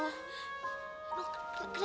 orang tua kamu